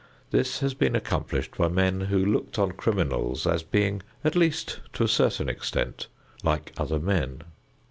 This has been accomplished by men who looked on criminals as being at least to a certain extent like other men.